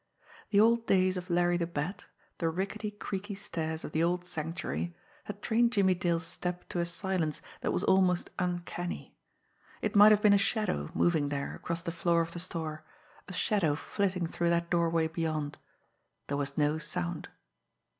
The old days of Larry the Bat, the rickety, creaky stairs of the old Sanctuary had trained Jimmie Dale's step to a silence that was almost uncanny. It might have been a shadow moving there across the floor of the store, a shadow flitting through that doorway beyond. There was no sound.